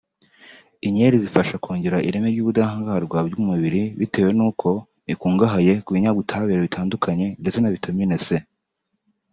Inkeri zifasha kongera ireme ry’ubudahangarwa bw’umubiri bitewe nuko ikungahaye ku binyabutabire bitandukanye ndetse na vitamin C